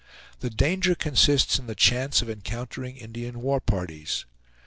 The danger consists in the chance of encountering Indian war parties.